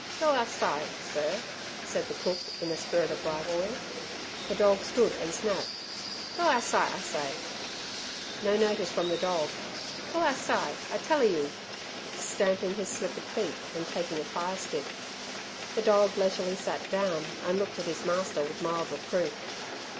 "Go ou' si', Sir," said the cook in a spirit of rivalry. The dog stood and snapped. "Go ou' si', I say!" No notice from the dog "Go ou' si', I tella you!" stamping his slippered feet and taking a fire stick. The dog leisurely sat down and looked at his master with mild reproof.